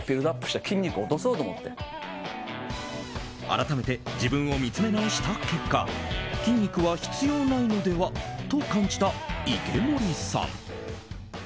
改めて自分を見つめ直した結果筋肉は必要ないのでは？と感じた池森さん。